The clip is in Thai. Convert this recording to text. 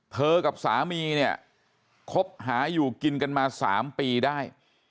กับสามีเนี่ยคบหาอยู่กินกันมา๓ปีได้